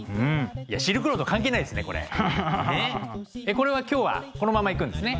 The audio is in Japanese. これは今日はこのままいくんですね？